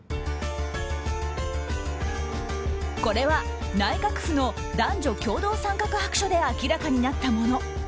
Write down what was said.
これは内閣府の男女共同参画白書で明らかになったもの。